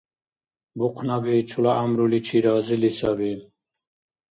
Бухънаби чула гӀямруличи разили саби.